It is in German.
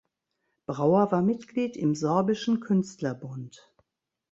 Brauer war Mitglied im Sorbischen Künstlerbund.